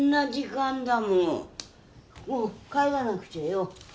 もう帰らなくちゃよ。